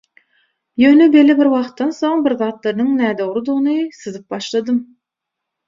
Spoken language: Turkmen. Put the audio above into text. Ýöne belli bir wagtdan soň birzatlaryň nädogrydygny syzyp başladym.